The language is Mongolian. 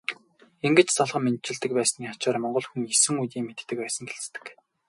Ингэж золгон мэндчилдэг байсны ачаар монгол хүн есөн үеэ мэддэг байсан гэлцдэг.